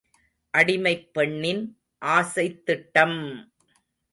அடிமைப் பெண்ணின் ஆசைத் திட்டம்!